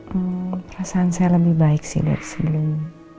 hmm perasaan saya lebih baik sih dari sebelumnya